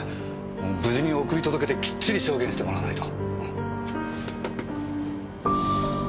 無事に送り届けてきっちり証言してもらわないと。